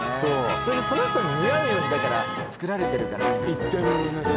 それでその人に似合うようにだから作られてるからいいのよね